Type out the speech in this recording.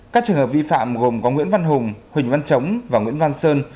các trường hợp vi phạm gồm có nguyễn văn hùng huỳnh văn chống và nguyễn văn sơn